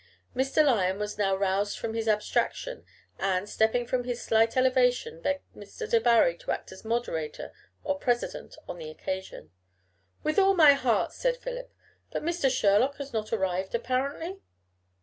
Mr. Lyon was now roused from his abstraction, and, stepping from his slight elevation, begged Mr. Debarry to act as moderator or president on the occasion. "With all my heart," said Philip. "But Mr. Sherlock has not arrived, apparently?"